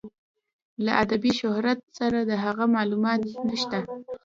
له ادبي شهرت سره د هغه معلومات نشته.